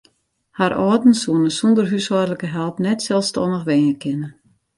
Har âlden soene sûnder húshâldlike help net selsstannich wenje kinne.